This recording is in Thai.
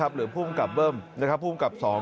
หรือผู้มันกลับเบิ่มผู้มันกลับสอง